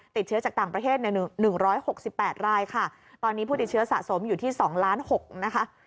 ติดเชื้อจากต่างประเทศใน๑๖๘รายค่ะตอนนี้ผู้ติดเชื้อสะสมอยู่ที่๒๖๐๐นะคะ